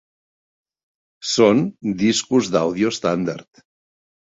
Són discos d'àudio estàndard.